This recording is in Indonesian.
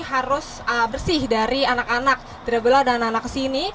harus bersih dari anak anak dari belah dan anak anak ke sini